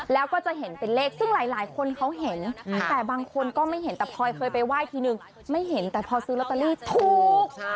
แล้วก็จะเห็นเป็นเลขซึ่งหลายคนเขาเห็นแต่บางคนก็ไม่เห็นแต่พลอยเคยไปไหว้ทีนึงไม่เห็นแต่พอซื้อลอตเตอรี่ถูก